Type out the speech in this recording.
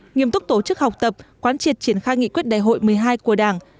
nghiêm túc tổ chức học tập quán triệt triển khai nghị quyết đại hội một mươi hai của đảng